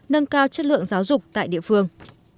nâng cao chất lượng giáo dục tại địa phương